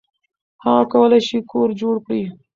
هغه کولی شي کور جوړ کړي.